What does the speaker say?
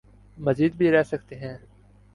مزید بھی رہ سکتے ہیں۔